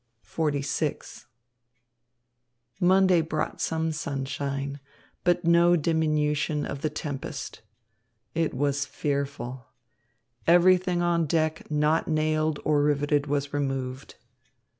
XLVI Monday brought some sunshine, but no diminution of the tempest. It was fearful. Everything on deck not nailed or riveted was removed.